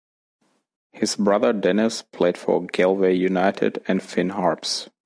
His brother Denis played for Galway United and Finn Harps.